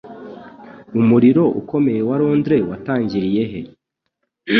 Umuriro Ukomeye wa Londres watangiriye he?